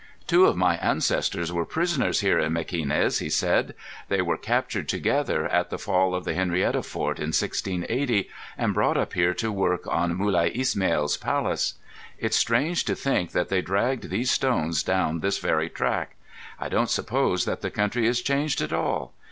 "Two of my ancestors were prisoners here in Mequinez," he said. "They were captured together at the fall of the Henrietta Fort in 1680, and brought up here to work on Mulai Ismail's palace. It's strange to think that they dragged these stones down this very track. I don't suppose that the country has changed at all.